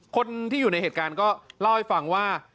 คนที่อยู่ในเหตุการณ์ก็เล่าให้ฟังว่า